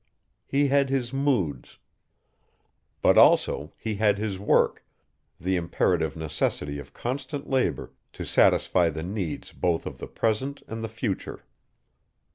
He had his moods. But also he had his work, the imperative necessity of constant labor to satisfy the needs both of the present and the future.